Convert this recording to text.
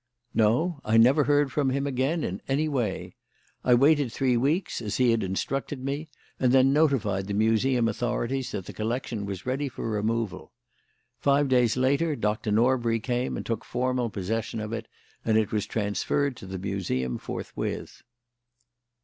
"No. I never heard from him again in any way. I waited for three weeks as he had instructed me, and then notified the Museum authorities that the collection was ready for removal. Five days later Doctor Norbury came and took formal possession of it, and it was transferred to the Museum forthwith."